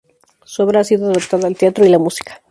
Su obra ha sido adaptada al teatro y la música.